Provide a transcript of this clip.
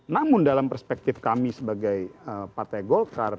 namun dalam perspektif kami sebagai partai golkar